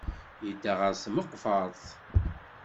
Yedda ɣer tmeqbert.